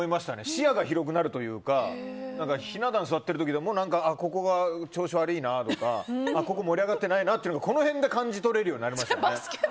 視野が広くなるというかひな壇座っている時もここが調子悪いなとかここ、盛り上がってないなっていうのが感じ取れるようになりました。